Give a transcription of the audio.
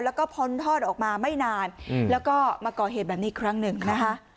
แล้วก็พ้นโทษออกมาไม่นานแล้วก็มาก่อเหตุแบบนี้อีกครั้งหนึ่งนะคะ